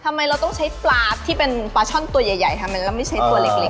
ทำไมเราต้องใช้ปลาที่เป็นปลาช่อนตัวใหญ่ทำไมเราไม่ใช้ตัวเล็ก